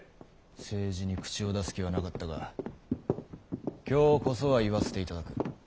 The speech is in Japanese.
政治に口を出す気はなかったが今日こそは言わせていただく。